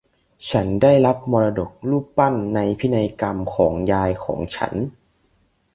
ฉันได้รับมรดกรูปปั้นในพินัยกรรมของยายของฉัน